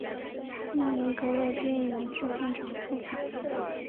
列宁格勒电影制片厂出品。